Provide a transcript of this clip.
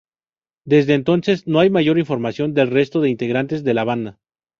Desde entonces, no hay mayor información del resto de integrantes de la banda.